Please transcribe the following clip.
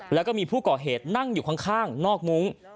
แล้วก็มีผู้ก่อเหตุนั่งอยู่ข้างนอกมุ้ง